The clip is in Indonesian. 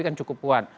kan cukup kuat